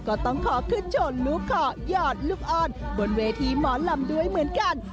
ก็ต้องขอขึ้นชนลูกขอหยอดลูกอ้อนบนเวทีหมอลำด้วยเหมือนกัน